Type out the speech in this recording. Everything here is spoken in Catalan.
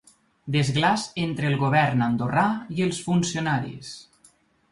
Desglaç entre el govern andorrà i els funcionaris.